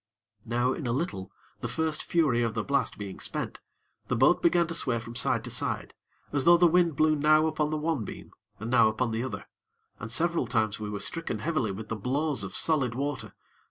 Now, in a little, the first fury of the blast being spent, the boat began to sway from side to side, as though the wind blew now upon the one beam, and now upon the other; and several times we were stricken heavily with the blows of solid water.